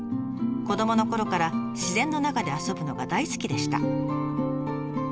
子どものころから自然の中で遊ぶのが大好きでした。